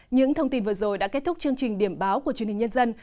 những thông tin vừa rồi đã kết thúc chương trình điểm báo của truyền hình nhân dân